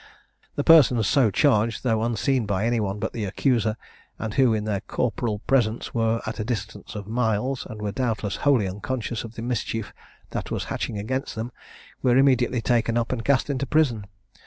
The persons so charged, though unseen by any one but the accuser, and who in their corporal presence were at a distance of miles, and were doubtless wholly unconscious of the mischief that was hatching against them, were immediately taken up, and cast into prison.